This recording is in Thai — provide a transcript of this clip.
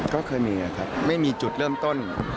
ก็เคยมีครับไม่มีจุดเริ่มต้น